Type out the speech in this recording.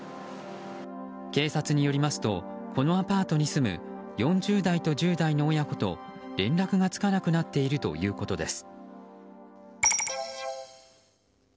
警察によりますとこのアパートに住む４０代と１０代の親子と連絡がつかなくなっているということです。